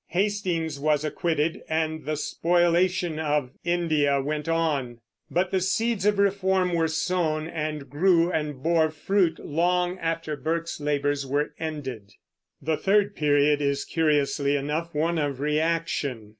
Hastings was acquitted, and the spoliation of India went on; but the seeds of reform were sown, and grew and bore fruit long after Burke's labors were ended. The third period is, curiously enough, one of reaction.